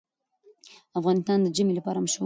افغانستان د ژمی لپاره مشهور دی.